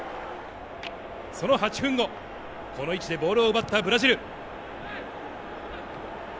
その８分後ボールを奪ったブラジル。